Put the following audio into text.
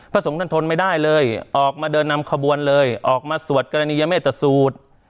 สงฆ์ท่านทนไม่ได้เลยออกมาเดินนำขบวนเลยออกมาสวดกรณียเมตตสูตร